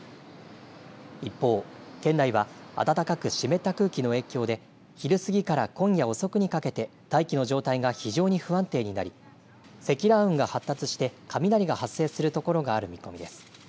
一方県内は暖かく湿った空気の影響で昼過ぎから今夜遅くにかけて大気の状態が非常に不安定になり積乱雲が発達して雷が発生するところがある見込みです。